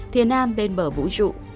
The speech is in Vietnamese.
thiên nam bên bờ vũ trụ